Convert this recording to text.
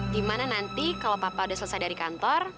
dimana nanti kalau papa udah selesai dari kantor